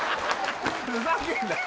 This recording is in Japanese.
ふざけんなよ